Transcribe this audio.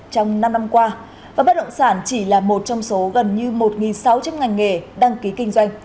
trong năm năm qua và bất động sản chỉ là một trong số gần như một sáu trăm linh ngành nghề đăng ký kinh doanh